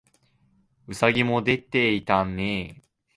兎もでていたねえ